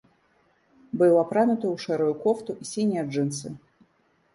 Быў апрануты ў шэрую кофту і сінія джынсы.